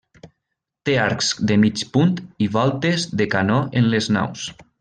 Té arcs de mig punt i voltes de canó en les naus.